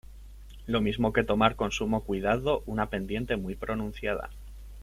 Lo mismo que tomar con sumo cuidado una pendiente muy pronunciada.